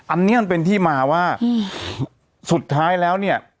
อันนี้มันเป็นที่มาว่าสุดท้ายแล้วเนี่ย